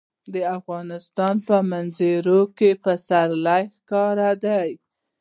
د افغانستان په منظره کې پسرلی ښکاره ده.